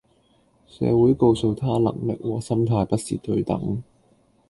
社會告訴他能力和心態不是對等